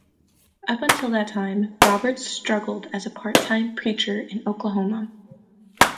Up until that time, Roberts struggled as a part-time preacher in Oklahoma.